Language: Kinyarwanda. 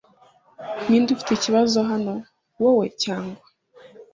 Ninde ufite ikibazo hano, wowe cyangwa ?